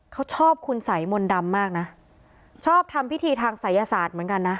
เขาชอบคุณสัยมนต์ดำมากนะชอบทำพิธีทางศัยศาสตร์เหมือนกันนะ